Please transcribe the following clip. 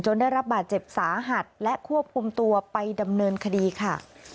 ได้รับบาดเจ็บสาหัสและควบคุมตัวไปดำเนินคดีค่ะ